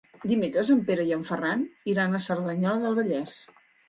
Dimecres en Pere i en Ferran iran a Cerdanyola del Vallès.